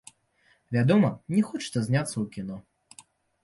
Вядома, мне хочацца зняцца ў кіно.